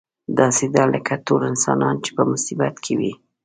داسې ده لکه ټول انسانان چې په مصیبت کې وي.